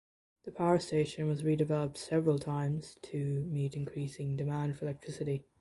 The power station was redeveloped several times to meet increasing demand for electricity.